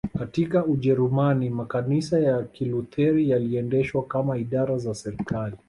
katika Ujerumani makanisa ya Kilutheri yaliendeshwa kama idara za serikali